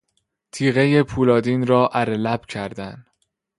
تیغهی پولادین را اره لب کردن